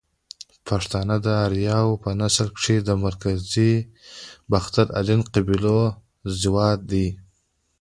پښتانه ده اریاو په نسل کښی ده مرکزی باختر آرین قبیلو زواد دی